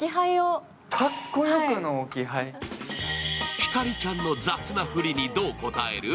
ひかりちゃんの雑なフリにどう応える？